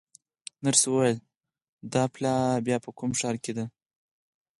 نرسې وویل: دا پلاوا بیا په کوم ښار کې ده؟